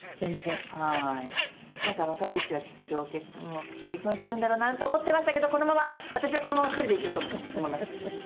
「なんか若いうちはきっと結婚するんだろうなと思ってましたけどこのまま私はこのまま１人で生きると思います」